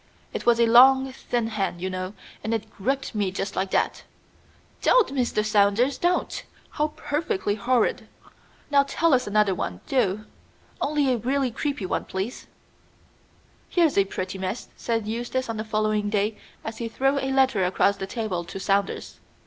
"It was a long thin hand, you know, and it gripped me just like that." "Don't Mr. Saunders! Don't! How perfectly horrid! Now tell us another one, do. Only a really creepy one, please!" "Here's a pretty mess!" said Eustace on the following day as he threw a letter across the table to Saunders.